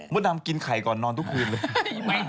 ดำกินไข่ก่อนนอนทุกคืนเลย